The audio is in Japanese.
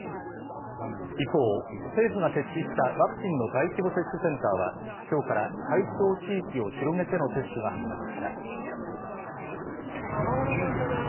一方、政府が設置したワクチンの大規模接種センターは、きょうから対象地域を広げての接種が始まりました。